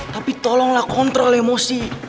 tapi tolonglah kontrol emosi